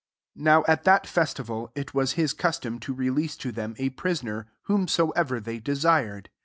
. 6 Now at that festival, it wa# hi9 custom to release to them a prisoner, whomsoever they de sired.